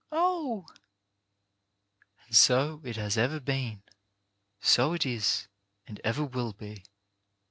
Oh ! And so it has ever been, so it is, and ever will be.